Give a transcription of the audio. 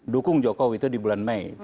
dukung jokowi itu di bulan mei